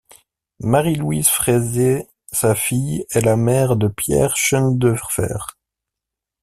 Marie-Louise Friesé, sa fille, est la mère de Pierre Schœndœrffer.